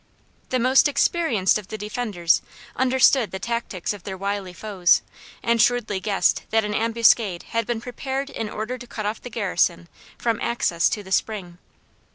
The most experienced of the defenders understood the tactics of their wily foes, and shrewdly guessed that an ambuscade had been prepared in order to cut off the garrison from access to the spring.